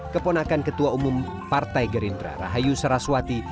keponakan ketua umum partai gerindra rahayu saraswati